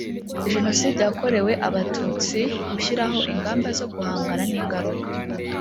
jenoside yakorewe abatutsi gushyiraho ingamba zo guhangana n ingaruka